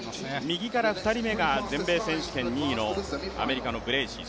右から２人目が全米選手権２位の、アメリカのブレーシー。